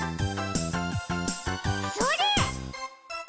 それ！